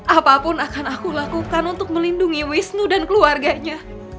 apapun akan aku lakukan untuk melindungi wisnu dan keluarganya